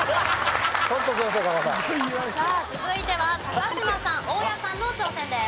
さあ続いては嶋さん大家さんの挑戦です。